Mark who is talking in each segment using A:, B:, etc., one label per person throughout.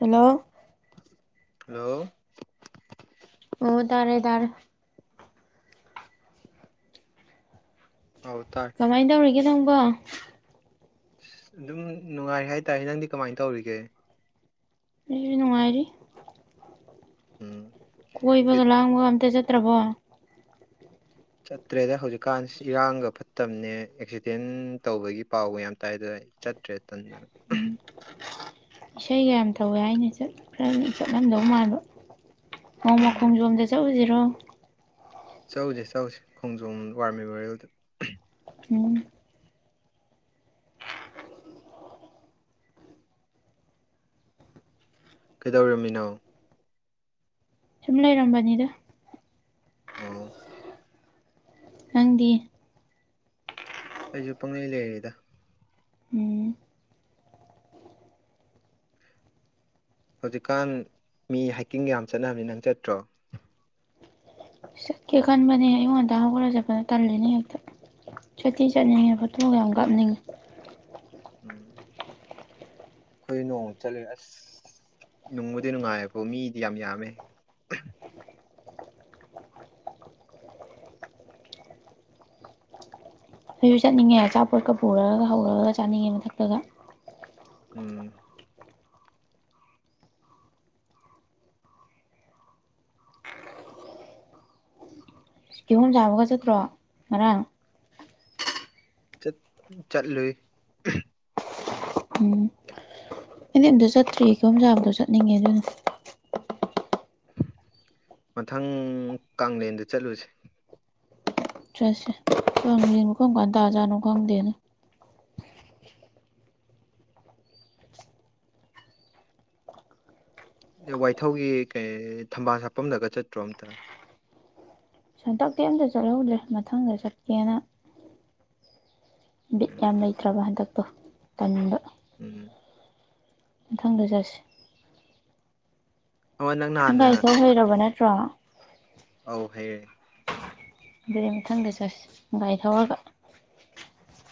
A: Hello.
B: Hello.
A: ꯑꯣ ꯇꯥꯔꯦ ꯇꯥꯔꯦ꯫
B: ꯍꯥꯎ ꯇꯥ꯫
A: ꯀꯃꯥꯏꯟ ꯇꯧꯔꯤꯒꯦ ꯅꯪꯕꯣ꯫
B: ꯑꯁ ꯑꯗꯨꯝ ꯅꯨꯡꯉꯥꯏꯔꯤ ꯍꯥꯏꯇꯥꯔꯦ ꯅꯪꯗꯤ ꯀꯃꯥꯏꯟ ꯇꯧꯔꯤꯒꯦ꯫
A: ꯍꯧꯁꯨ ꯅꯨꯡꯉꯥꯏꯔꯤ꯫
B: ꯎꯝ
A: ꯀꯣꯏꯕꯒ
B: ꯀꯩ-
A: ꯂꯥꯡꯕꯒ ꯑꯝꯇ ꯆꯠꯇ꯭ꯔꯕꯣ꯫
B: ꯆꯠꯇ꯭ꯔꯦꯗ ꯍꯧꯖꯤꯛꯀꯥꯟꯁꯤ ꯏꯔꯥꯡꯒ ꯐꯠꯇꯕꯅꯦ ꯑꯦꯛꯁꯤꯗꯦꯟ ꯇꯧꯕꯒꯤ ꯄꯥꯎꯒ ꯌꯥꯝ ꯇꯥꯏ ꯑꯗꯨꯅ ꯑꯩ꯫ ꯆꯠꯇꯔ꯭ꯦ ꯇꯟꯗꯅ꯫
A: ꯎꯝ ꯏꯁꯩꯒ ꯌꯥꯝ ꯇꯧꯋꯦ ꯍꯥꯏꯅꯦ ꯆꯠ ꯈ꯭ꯔꯅꯤ ꯆꯠꯂꯝꯗꯧ ꯃꯥꯟꯕ꯫ ꯅꯣꯡꯃ
B: ꯎꯝ
A: ꯈꯣꯝꯖꯣꯝꯗ ꯆꯠꯂꯨꯁꯤꯔꯣ꯫
B: ꯆꯥꯎꯁꯦ ꯆꯥꯎꯁꯦ ꯈꯣꯡꯖꯣꯝ ꯋꯥꯔ ꯃꯦꯃꯣꯔꯤꯌꯦꯜꯗ꯫
A: ꯎꯝ꯫
B: ꯀꯩꯗꯧꯔꯝꯃꯤꯅꯣ꯫
A: ꯁꯨꯝ ꯂꯩꯔꯝꯕꯅꯤꯗ꯫
B: ꯎꯝ
A: ꯅꯪꯗꯤ
B: ꯑꯩꯁꯨ ꯄꯪꯂꯪꯂꯩ ꯂꯩꯔꯤꯗ
A: ꯎꯝ
B: ꯍꯧꯖꯤꯛꯀꯥꯟ ꯃꯤ ꯍꯥꯏꯀꯤꯡꯒ ꯌꯥꯝ ꯆꯠꯅꯕꯅꯤ ꯅꯪ ꯆꯠꯇ꯭ꯔꯣ
A: ꯆꯠꯀꯦ ꯈꯟꯕꯅꯦ ꯑꯩꯉꯣꯟꯗ ꯍꯧꯒꯠꯂꯒ ꯆꯠꯄꯅ ꯇꯜꯜꯂꯤꯅꯦ ꯍꯦꯛꯇ ꯁꯇꯤ ꯆꯠꯅꯤꯡꯉꯦ ꯐꯣꯇꯣ ꯀ ꯌꯥꯝ ꯀꯥꯞꯅꯤꯡꯉꯦ
B: ꯎꯝ ꯑꯩꯈꯣꯏ ꯅꯣꯡꯃ ꯆꯠꯂꯨꯦ ꯑꯁ ꯅꯨꯡꯕꯨꯗꯤ ꯅꯨꯡꯉꯥꯏꯌꯦꯕꯣ ꯃꯤꯗꯤ ꯌꯥꯝ ꯌꯥꯝꯃꯦ
A: ꯑꯩꯣꯏꯁꯨ ꯆꯠꯅꯤꯡꯉꯦ ꯑꯆꯥꯄꯣꯠꯀ ꯄꯨꯔꯒ ꯍꯧꯔꯒ ꯆꯥꯅꯤꯡꯉꯦ ꯃꯊꯛꯇꯒ
B: ꯎꯝ
A: ꯀꯤꯍꯣꯝ ꯆꯥꯕꯒ ꯆꯠꯇ꯭ꯔꯣ ꯉꯔꯥꯡ꯫
B: ꯆꯠꯂꯨꯏ꯫
A: ꯎꯝ ꯑꯩꯗꯤ ꯑꯝꯇ ꯆꯠꯇ꯭ꯔꯤ ꯏꯈꯣ ꯆꯥꯕꯗꯣ ꯆꯠꯅꯤꯡꯉꯦ ꯑꯗꯨꯅ꯫
B: ꯃꯊꯪ ꯀꯥꯡꯂꯦꯟꯗ ꯆꯠꯂꯨꯁꯤ꯫
A: ꯆꯠꯁꯦ ꯀꯥꯡꯂꯦꯟꯕꯨ ꯀꯝꯀꯥꯟ
B: ꯎꯝ
A: ꯇꯥꯖꯥꯠꯅꯣ ꯈꯪꯗꯦꯅꯦ꯫
B: ꯋꯥꯏꯊꯧꯒꯤ ꯀꯩ ꯊꯝꯕꯥꯜ ꯁꯥꯐꯝꯗꯒ ꯆꯠꯇ꯭ꯔꯣ ꯑꯝꯇ꯫
A: ꯁꯟꯇꯛꯇꯤ ꯑꯝꯇ ꯆꯠꯍꯧꯗ꯭ꯔꯦ ꯃꯊꯪꯗ ꯆꯠꯀꯦꯅ꯫ ꯕꯤꯠ
B: ꯎꯝ
A: ꯌꯥꯝ ꯂꯩꯇ꯭ꯔꯕ ꯍꯟꯗꯛꯇꯣ ꯇꯟꯕ꯫
B: ꯎꯝ꯫
A: ꯃꯊꯪꯗ ꯆꯠꯁꯤ꯫
B: ꯑꯃ
A: ꯅꯪ
B: ꯅꯍꯥꯟꯅ
A: ꯒꯥꯔꯤ ꯊꯧ ꯍꯩꯔꯕ ꯅꯠꯇ꯭ꯔꯣ꯫
B: ꯑꯧ ꯍꯥꯏꯌꯦ
A: ꯑꯗꯨꯗ ꯃꯊꯪꯗ ꯆꯖꯁ ꯒꯥꯏ ꯊꯧꯔꯒ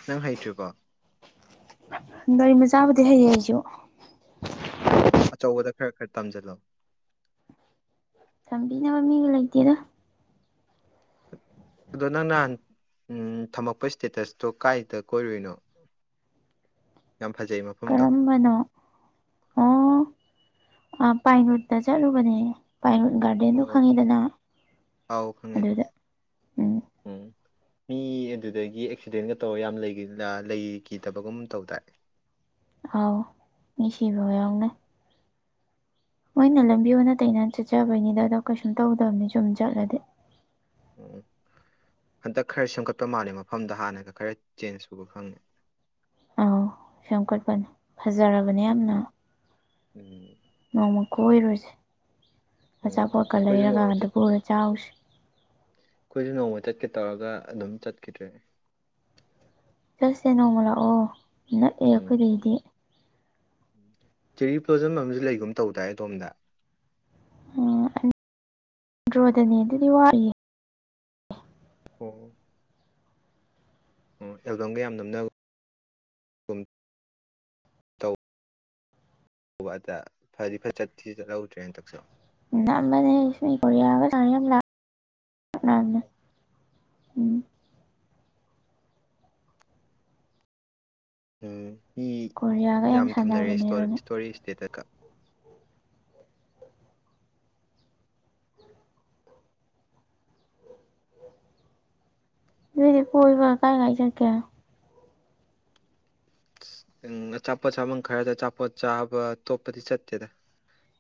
B: ꯅꯪ ꯍꯩꯇꯨꯀꯣ
A: ꯒꯥꯔꯤꯃꯆꯥꯕꯨꯗꯤ ꯍꯩꯌꯦ ꯑꯩꯁꯨ
B: ꯑꯣ ꯑꯆꯧꯕꯗ ꯈꯔ ꯈꯔ ꯇꯝꯖꯜꯂꯣ
A: ꯕꯤ ꯃꯃꯤꯒ ꯂꯩꯇꯔꯥ
B: ꯑꯗꯣ ꯅꯪ ꯅꯍꯥꯟ ꯊꯝꯃꯛꯄ ꯏꯁꯇꯦꯇꯁꯇꯣ ꯀꯥꯏꯗ ꯀꯣꯏꯔꯨꯏꯅꯣ ꯌꯥꯝ ꯐꯖꯩ ꯃꯐꯝꯗꯣ
A: ꯑꯝꯕꯅꯣ ꯑꯣ ꯄꯥꯏꯔꯨꯠꯇ ꯆꯠꯂꯨꯕꯅꯦ ꯄꯥꯏ ꯒꯥꯔꯗꯦꯟꯗꯣ
B: ꯑꯣ
A: ꯈꯪꯉꯤꯗꯅ
B: ꯑꯥꯎ ꯈꯪꯉꯦ
A: ꯑꯗꯨꯗ ꯎꯝ
B: ꯎꯝ ꯃꯤ ꯑꯗꯨꯗꯒꯤ ꯑꯦꯛꯁꯤꯗꯦꯟꯒ ꯇꯧꯔꯒ ꯌꯥꯝ ꯂꯩꯈꯤꯗꯕꯒꯨꯝ ꯇꯧꯗꯥ
A: ꯑꯥꯎ ꯃꯤꯁꯤꯕꯅ
B: ꯎꯝ
A: ꯃꯣꯏꯅ ꯂꯝꯕꯤ ꯑꯣꯗ ꯇꯩꯅ ꯆꯠꯆꯕꯩꯅꯤꯗ ꯑꯗꯣ ꯀꯩꯁꯨꯝ ꯇꯧꯗꯕꯅꯤ ꯁꯨꯝ ꯆꯠꯂꯗꯤ
B: ꯎꯝ ꯍꯟꯗꯛ ꯈꯔ ꯁꯦꯝꯒꯠꯄ ꯃꯥꯜꯂꯦ ꯃꯐꯝꯗ ꯍꯥꯟꯅꯒ ꯈꯔ ꯆꯦꯟꯖ ꯁꯨꯕ ꯈꯪꯉꯦ
A: ꯁꯦꯝꯒꯠꯄꯅꯤ ꯐꯖꯔꯕꯅꯦ ꯌꯥꯝꯅ
B: ꯎꯝ
A: ꯅꯣꯡꯃ ꯀꯣꯏꯔꯨꯁꯦ
B: ꯎꯝ
A: ꯑꯆꯥꯄꯣꯠꯀ
B: ꯑꯩꯈꯣꯏꯁꯨ ꯅꯣꯡꯃ
A: ꯂꯩꯔꯒꯗ
B: ꯆꯠ
A: ꯄꯨꯔ ꯆꯥꯎꯁꯤ
B: ꯑꯩꯈꯣꯏꯁꯨ ꯅꯣꯡꯃ ꯆꯠꯀꯦ ꯇꯧꯔꯒ ꯑꯗꯨꯝ ꯆꯠꯈꯤꯗ꯭ꯔꯦ
A: ꯆꯠꯁꯦ ꯅꯣꯡꯃ ꯂꯥꯛꯑꯣ ꯅꯛꯑꯦ
B: ꯎꯝ
A: ꯑꯩꯈꯣꯏꯗꯒꯤꯗꯤ
B: ꯆꯦꯔꯤ ꯄ꯭ꯂꯣꯖꯝ ꯑꯃꯁꯨ ꯂꯩꯒꯨꯝ ꯇꯧꯗꯥꯏ ꯑꯗꯣꯝꯗ
A: ꯎ ꯗ꯭ꯔꯣꯗꯅꯦ ꯑꯗꯨꯗꯤ ꯋꯥꯌꯦꯦ
B: ꯑꯣꯝ ꯎ ꯑꯦꯜꯕꯝꯒ ꯌꯥꯝ ꯅꯝꯅꯕ ꯇꯧ ꯍ ꯑꯗ ꯐꯗꯤ ꯐ ꯆꯠꯁꯤ ꯆꯠꯍꯧꯗ꯭ꯔꯦꯅ ꯇꯛꯁꯂꯣ
A: ꯝꯕꯅꯦꯕ ꯇ ꯂ [unintelligible]
B: ꯎꯝ ꯃꯤ
A: ꯀꯣꯔꯤꯌꯥꯒ
B: ꯌꯥꯝ ꯊꯝꯅꯔꯦ
A: ꯁꯥꯟꯅꯕꯅꯦꯕ ꯅꯣꯏ
B: ꯏꯁꯇꯣꯔꯦꯖꯇꯦꯗꯀ
A: ꯅꯣꯏꯗꯤ ꯀꯣꯏꯕ꯭ꯔ ꯀꯥꯏ ꯉꯥꯏ ꯆꯠꯀꯦ
B: ꯎ ꯑꯆꯥꯄꯣꯠ ꯆꯥꯃꯝ ꯈꯔꯗ ꯑꯆꯥꯄꯣꯠ ꯆꯥꯕ ꯑꯇꯣꯞꯄꯗꯤ ꯆꯠꯇꯦꯗ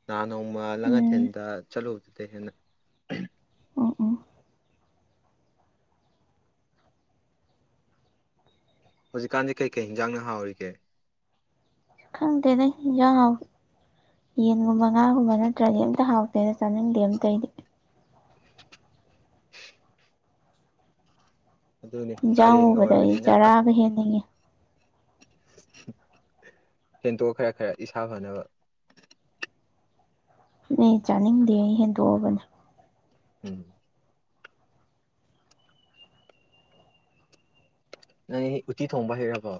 B: ꯅꯍꯥꯟ ꯅꯣꯡꯃ
A: ꯎꯝ
B: ꯂꯥꯡꯉꯊꯦꯟꯗ ꯆꯠꯂꯨꯕꯗꯨꯗ ꯍꯦꯟꯅ
A: ꯎꯝ ꯎꯝ
B: ꯍꯧꯖꯤꯛꯀꯥꯟꯗꯤ ꯀꯩ ꯀꯩ ꯍꯤꯟꯖꯥꯡꯅ ꯍꯥꯎꯔꯤꯒꯦ
A: ꯈꯪꯗꯅꯦ ꯌꯥ ꯌꯦꯟꯒꯨꯝꯕ ꯉꯥꯒꯨꯝꯕ ꯅꯠꯇ꯭ꯔꯗꯤ ꯑꯝꯇ ꯍꯥꯎꯇꯦꯗ ꯆꯥꯅꯤꯡꯗꯦ ꯑꯝꯇꯩꯗꯤ
B: ꯑꯗꯨꯅꯤ
A: ꯌꯦꯟꯁꯥꯡ
B: ꯀꯥꯂꯦꯟꯒ
A: ꯎꯕꯗ ꯑꯩ
B: ꯑꯣꯏꯕꯅꯤꯅ
A: ꯆꯥꯔꯥꯒ ꯍꯦꯟꯅꯤꯡꯉꯦ
B: ꯍꯦꯟꯇꯣꯛ ꯈꯔ ꯈꯔ ꯏꯁꯥ ꯐꯅꯕ
A: ꯅ ꯆꯅꯤꯡꯗꯍꯦ ꯗꯣꯕꯅꯦ
B: ꯎꯝ ꯅꯪ ꯎꯇꯤ ꯊꯣꯡꯕ ꯍꯩꯔꯕꯣ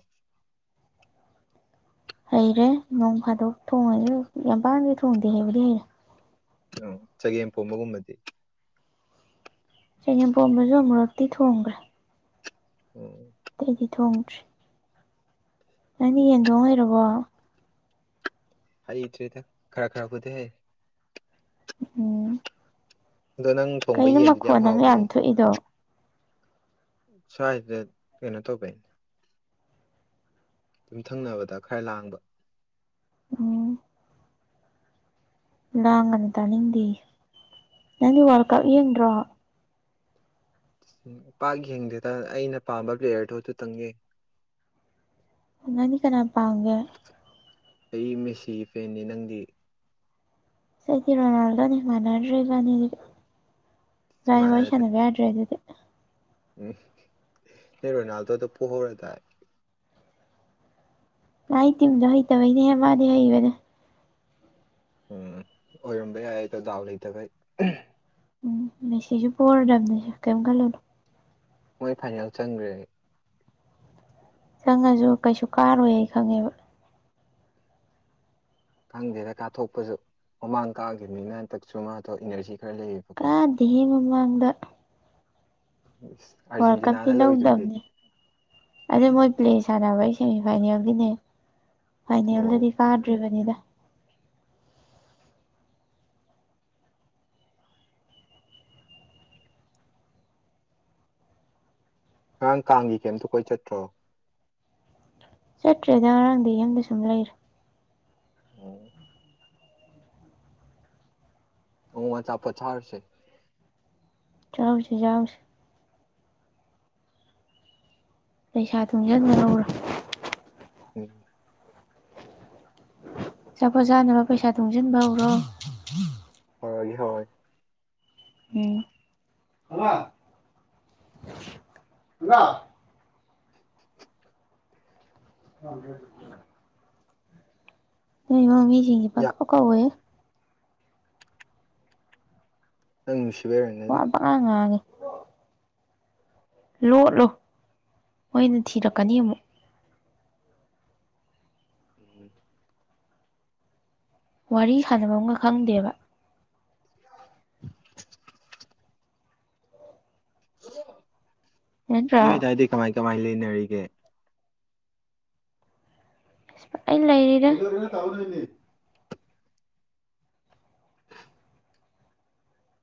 A: ꯍꯩꯔꯦ ꯅꯣꯡ ꯐꯥꯗꯣꯛ ꯊꯣꯡꯉꯁꯨ ꯌꯥꯝ ꯄꯥꯝꯗꯤ ꯊꯣꯡꯗꯦ ꯍꯩꯕꯗꯤ ꯍꯩꯔꯦ
B: ꯎ ꯆꯒꯦꯝ ꯐꯣꯝꯕꯒꯨꯝꯕꯗꯤ
A: ꯆꯦꯡꯉꯦꯝꯄꯣꯝꯕꯁꯨ ꯑꯃꯨꯨꯔꯛꯇꯤ ꯊꯣꯡꯈ꯭ꯔꯦ
B: ꯎꯝ
A: ꯑꯇꯩꯗꯤ ꯊꯣꯡꯗ꯭ꯔꯤ ꯅꯪꯅꯦ ꯌꯦꯟꯗꯣꯡ ꯑꯣꯏꯔꯕꯣ
B: ꯍꯩꯇ꯭ꯔꯦꯗ ꯈꯔ ꯈꯔ ꯈꯨꯗꯤ ꯍꯥꯏꯩ
A: ꯎꯝ
B: ꯑꯗꯣ ꯅꯪ ꯊꯣꯡꯕ
A: ꯀꯩꯅꯣ
B: ꯌꯦꯟꯗꯨꯗꯤ ꯌꯥꯝ
A: ꯃꯈꯣꯟ ꯑꯃ
B: ꯍꯥꯎꯕꯅꯦ
A: ꯊꯣꯛꯏꯗꯣ
B: ꯁ꯭ꯋꯥꯏꯁꯗ ꯀꯩꯅꯣ ꯇꯧꯕꯩꯅꯦ ꯌꯨꯝꯊꯪꯅꯕꯗ ꯈꯔ ꯂꯥꯡꯕ
A: ꯎꯝ ꯂ ꯉꯅꯤ ꯇꯅꯤꯡꯗꯤ ꯅꯅꯤ ꯋꯥꯂ ꯀꯞ ꯌꯦ꯭ꯔꯣ
B: ꯎ ꯄꯥꯛ ꯌꯦꯡꯗꯦꯗ ꯑꯩꯅ ꯄꯥꯝꯕ ꯄ꯭ꯂꯦꯌꯔꯗꯨꯣ ꯑꯗꯨꯇꯪꯌꯦ
A: ꯉꯅꯤ ꯀꯅ ꯄꯒ
B: ꯑꯩ ꯃꯦꯁꯤꯒꯤ ꯐꯦꯟꯅꯤ ꯅꯪꯗꯤ
A: ꯁꯤꯗꯤ ꯔꯣꯅꯥꯜꯗꯣꯅꯤ ꯃꯥꯟꯅꯗ꯭ꯔꯦ ꯔꯅꯤ ꯔꯅꯤ ꯋꯥꯔꯤ ꯋꯥꯔꯤ
B: ꯃꯥꯟꯅꯗ꯭ꯔꯦ
A: ꯁꯥꯟꯅꯅꯕ ꯌꯥ [inaudible]
B: ꯎꯝ ꯅ ꯔꯣꯅꯥꯜꯗꯣꯗ ꯄꯨꯍꯧꯔꯗꯥꯏ
A: ꯃꯥꯥꯏ ꯇꯤꯝꯗꯣ ꯍꯩꯇꯕꯩꯅꯦꯍꯦ ꯃꯥꯗꯤ ꯍꯩꯕꯅꯦ
B: ꯎꯝ ꯑꯣꯏꯔꯝꯕ ꯌꯥꯏ ꯑꯗ ꯗꯥꯎ ꯂꯩꯇꯕ
A: ꯎꯝ ꯂꯩ ꯁꯤꯁꯨ ꯄꯔꯗꯕꯅꯦꯁꯨ ꯀꯩꯝ ꯈꯜꯂꯨꯅꯨ
B: ꯃꯣꯏ ꯐꯥꯏꯅꯦꯜ ꯆꯪꯈ꯭ꯔꯦ
A: ꯆꯪꯉꯁꯨ ꯀꯩꯁꯨ ꯀꯥꯔꯣꯏ ꯈꯪꯉꯦꯕ
B: ꯈꯪꯗꯦꯗ ꯀꯥꯞꯊꯣꯛꯄꯁꯨ ꯃꯃꯥꯡ ꯀꯥꯈꯤꯕꯅꯤꯅ ꯍꯟꯗꯛꯁꯨ ꯃꯥꯊ ꯏꯅꯔꯖꯤ ꯈꯔ ꯂꯩꯌꯦꯕꯀꯣ
A: ꯀꯥꯗꯉꯦ ꯃꯃꯥꯡꯗ
B: ꯑꯁ
A: ꯋꯥꯔꯜ ꯀꯞꯇꯤ ꯂꯧꯗꯕꯅꯦ ꯑꯗꯩ ꯃꯣꯏ ꯄ꯭ꯂꯦ ꯁꯥꯟꯅꯕꯩꯁ ꯁꯦꯃꯤꯐꯥꯏꯅꯦꯜꯒꯤꯅꯦ
B: ꯑꯣ
A: ꯐꯥꯏꯅꯦꯜꯗꯗꯤ ꯀꯥꯗ꯭ꯔꯤꯕꯅꯤꯗ
B: ꯉꯔꯥꯡ ꯀꯥꯡꯒꯤ ꯀꯩꯝꯇ ꯀꯣꯏ ꯆꯠꯇ꯭ꯔꯣ
A: ꯆꯠꯇ꯭ꯔꯦꯗ ꯉꯔꯥꯡꯗꯤ ꯌꯨꯝꯗ ꯁꯨꯝ ꯂꯩꯔꯣ
B: ꯑꯣꯝ ꯑꯣ ꯋꯥ ꯆꯥꯄ ꯆꯥꯔꯁꯦ
A: ꯆꯥꯎꯝꯁꯤ ꯌꯥꯎꯁꯦ ꯄꯩꯁꯥ ꯇꯨꯡꯁꯤꯟꯕ ꯂꯧꯔ
B: ꯎꯝ
A: ꯆꯖꯄꯣꯠ ꯆꯥꯅꯕ ꯄꯩꯁꯥ ꯇꯨꯡꯁꯤꯟꯕ ꯍꯧꯔꯣ
B: ꯍꯣꯏ ꯍꯣꯏ
A: [unintelligible] [unintelligible] ꯅ ꯃꯝꯃꯤꯁꯤꯡꯒꯤ ꯄ
B: ꯌꯥꯝ
A: ꯀꯣ ꯀꯧꯌ
B: ꯅꯪ ꯅꯨꯡꯁꯤꯕꯦꯔ ꯍꯥꯏꯅꯤ
A: ꯑꯥꯡꯉꯥꯡꯉꯦ ꯂꯣꯠꯂꯣ ꯃꯣꯏꯅ ꯊꯤꯔꯛꯀꯅꯤ ꯑꯃꯨꯛ
B: ꯎꯝ
A: ꯋꯥꯔꯤ ꯁꯥꯟꯅꯕ ꯑꯃꯒ ꯈꯪꯗꯦꯕ
B: [inaudible] ꯅꯨꯣꯏ
A: ꯅꯠꯇ꯭ꯔꯥ
B: ꯇ ꯍꯥꯏꯗꯤ ꯀꯃꯥꯏ ꯀꯃꯥꯏ ꯂꯩꯅꯦꯒ
A: ꯑꯩꯅ ꯂꯩꯔꯤ
B: ꯑꯦꯩꯅꯔ ꯇꯥꯎꯟ ꯂꯩꯅꯤ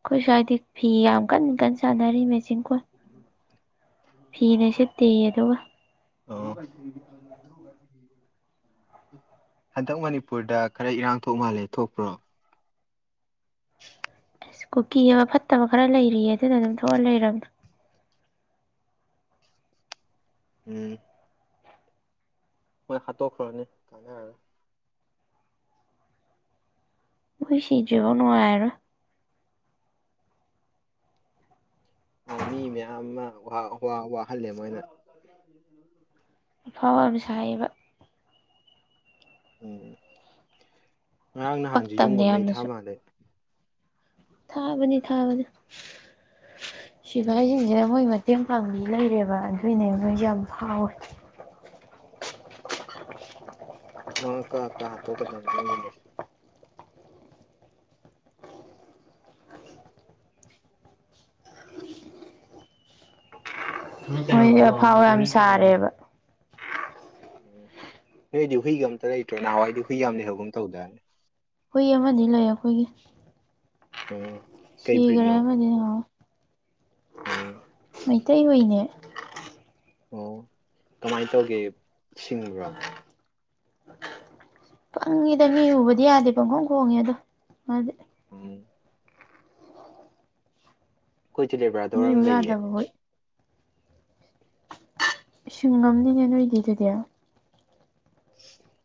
A: ꯑꯩꯈꯣꯏ ꯁ꯭ ꯍꯥꯏꯏꯗꯤ ꯐꯤ ꯌꯥꯝ ꯀꯟ ꯀꯟꯅ ꯁꯥꯟꯅꯔꯤ ꯃꯦꯆꯤꯡ ꯀꯣ
B: [unintelligible]
A: ꯐꯤꯅꯁꯨꯠꯇꯦ ꯑꯗꯨꯒ
B: [inaudible] ꯍꯟꯗꯛ ꯃꯅꯤꯄꯨꯔꯗ ꯈꯔ ꯏꯔꯥꯡ ꯊꯣꯛ ꯃꯥꯜꯂꯦ ꯊꯣꯛꯄ꯭ꯔꯣ
A: ꯑꯁ ꯀꯨꯀꯤ ꯑꯃ ꯐꯠꯇꯕ ꯈꯔ ꯂꯩꯔꯤꯌꯦ ꯑꯗꯨꯅ ꯑꯗꯨꯝ ꯊꯣꯛꯑ ꯂꯩꯔꯕꯗꯣ
B: ꯎꯝ ꯃꯣꯏ ꯍꯥꯠꯇꯣꯛꯈ꯭ꯔꯅꯤ ꯀꯥꯟꯅ ꯍꯥꯏꯔꯦ
A: ꯑꯩꯈꯣꯏ ꯁꯤꯗ꯭ꯔꯤꯐꯥꯎ ꯅꯨꯡꯉꯥꯏꯔꯣ
B: ꯃꯤ ꯃꯌꯥꯝ ꯑꯃ ꯋꯥꯍꯜꯂꯦ ꯃꯣꯏꯅ
A: ꯑꯐꯥꯎꯔꯝ ꯁꯥꯏꯌꯦꯕ
B: ꯎꯝ ꯉꯔꯥꯡ ꯅꯍꯥꯟꯁ
A: ꯄꯛꯇꯕꯅꯦ
B: ꯌꯨꯝꯒꯨꯝ ꯃꯩ ꯊꯥ
A: ꯌꯥꯝꯅꯁꯨ
B: ꯃꯥꯜꯗꯩ
A: ꯊꯥꯕꯅꯤ ꯊꯥꯕꯅꯤ
B: ꯎꯝ
A: ꯁꯤꯐꯥꯏꯁꯤꯡꯁꯤ ꯃꯣꯏ ꯃꯇꯦꯡ ꯄꯥꯡꯕꯤ ꯂꯩꯔꯦꯕ ꯑꯗꯨꯏꯅꯦ ꯃꯣꯏꯁꯨ ꯌꯥꯝ ꯍꯥꯎꯋꯦ
B: ꯑ ꯀꯥ ꯀꯥ ꯍꯥꯠꯇꯣꯛꯀꯗꯅꯤ ꯃꯣꯏꯒꯨꯝꯕꯁꯦ
A: ꯃꯣꯏ ꯑꯐꯥꯎ ꯌꯥꯝ ꯁꯥꯔꯦꯕ
B: ꯎꯝ ꯅꯣꯏꯗꯤ ꯍꯨꯏꯒ ꯑꯝꯇ ꯂꯩꯇ꯭ꯔꯣ ꯅꯍꯥꯟꯋꯥꯏꯗꯤ ꯍꯨꯏ ꯌꯥꯝ ꯑꯃ ꯂꯩ ꯍꯍꯧꯒꯨꯝ ꯑꯃ ꯇꯧꯗꯅꯤ
A: ꯍꯨꯏ ꯑꯃꯗꯤ ꯂꯩ ꯑꯩꯈꯣꯏꯒꯤ
B: ꯍ
A: ꯁꯤꯈ꯭ꯔꯦ ꯑꯃꯗꯤ ꯅꯪꯉꯣ
B: ꯎ
A: ꯃꯩꯇꯩ ꯍꯅꯦ
B: ꯑꯣ ꯀꯃꯥꯏꯅ ꯇꯧꯒꯦ ꯁꯤꯡꯕ꯭ꯔꯣ
A: ꯄꯪꯉꯤꯗ ꯃꯤ ꯌꯨꯕꯗꯤ ꯌꯥꯗꯦ ꯄꯪꯈꯣꯡ ꯈꯣꯡꯉꯦ ꯑꯗꯣꯗꯤ
B: ꯎꯝ ꯑꯩꯈꯣꯏꯗꯤ ꯕ꯭ꯔꯥꯗꯔ
A: ꯃꯤ ꯎ
B: ꯑꯃ ꯂꯩꯑꯌꯦ
A: ꯌꯥꯗꯕ ꯍꯨꯏ ꯁꯨꯡꯉꯝꯅꯤꯅꯦ ꯅꯣꯏꯗꯤ ꯑꯗꯨꯗꯤ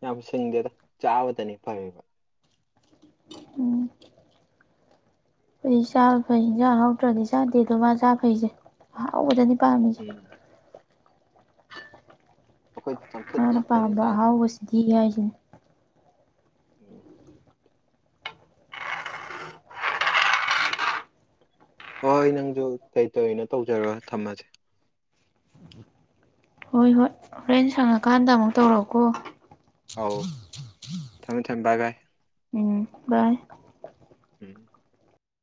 B: ꯌꯥꯝ ꯁꯪꯗꯦꯗ ꯆꯥꯕꯗꯅꯤ ꯐꯌꯦꯕ
A: ꯎꯝ ꯑꯩ ꯆꯥꯕ ꯐꯩ ꯍꯟꯖꯥꯡ ꯍꯥꯎꯗ꯭ꯔꯗꯤ ꯆꯥꯗꯦꯗꯣ ꯃꯥ ꯆꯥ ꯐꯩꯁꯦ ꯑꯍꯥꯎꯕꯗꯅꯤ ꯄꯥꯝꯃꯤꯁꯦ
B: ꯎꯝ ꯑꯩꯈꯣꯏ
A: ꯃꯥꯅ ꯄꯥꯝꯕ ꯑꯍꯥꯎꯕꯁꯤꯗꯤ ꯍꯥꯏꯁꯤꯅꯦ
B: [unintelligible] ꯍꯣꯏ ꯅꯪꯁꯨ ꯇꯇ ꯑꯣꯏꯅ ꯇꯧꯖꯔꯒ ꯊꯝꯃꯁꯦ
A: ꯍꯣꯏ ꯍꯣꯏ ꯍꯣꯔꯦꯟ ꯁꯪꯉꯀꯥꯟꯗ ꯑꯃꯨꯛ ꯇꯧꯔꯛꯀꯣ
B: ꯑꯧ ꯊꯝꯃꯦ ꯊꯝꯃꯦ ꯕꯥꯏ ꯕꯥꯏ
A: ꯎꯝ ꯕꯥꯏ
B: ꯎꯝ